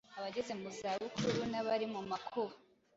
abageze mu zabukuru n’abari mu makuba,